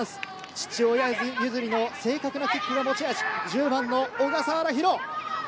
父親譲りの正確なキックが持ち味、１０番の小笠原央。